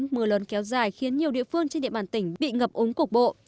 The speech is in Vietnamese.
mưa lớn kéo dài khiến nhiều địa phương trên địa bàn tỉnh bị ngập ống cục bộ